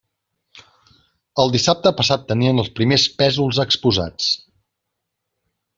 El dissabte passat tenien els primers pésols exposats.